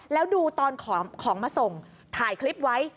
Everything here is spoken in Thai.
แล้วดูตอนของมาส่งถ่ายคลิปไว้